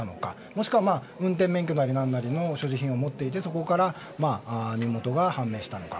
もしくは運転免許かなりなんなりの所持品を持っていてそこから身元が判明したのか。